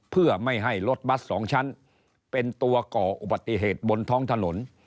เพื่อไม่ให้รถบัส๒ชั้นเป็นตัวก่ออุบัติเหตุบนท้องถนน